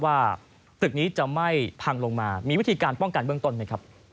ว่าตึกนี้จะไม่พังลงมามีวิธีการป้องกันเบื้องต้นไหมครับ